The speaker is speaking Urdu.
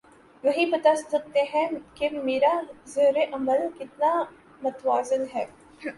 وہی بتا سکتے ہیں کہ میرا طرز عمل کتنا متوازن ہے۔